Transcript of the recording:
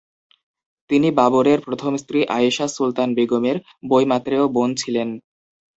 তিনি বাবরের প্রথম স্ত্রী আয়েশা সুলতান বেগমের বৈমাত্রেয় বোন ছিলেন।